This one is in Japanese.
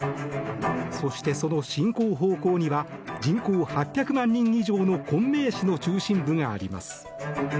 そして、その進行方向には人口８００万人以上の昆明市の中心部があります。